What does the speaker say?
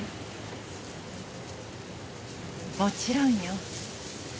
もちろんよ。